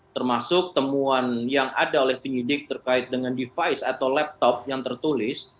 termasuk temuan yang ada oleh penyidik terkait dengan device atau laptop yang tertulis